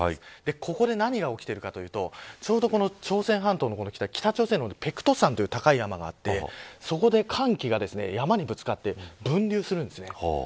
ここで何が起きているかというと朝鮮半島の北朝鮮の高い山があって寒気が山にぶつかって分流するんです。